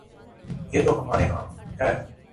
یہ تو ہمارے ہاں ہے۔